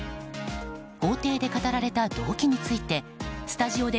法廷で語られた動機についてスタジオで